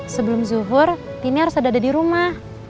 sebelum zuhur tini harus ada di rumah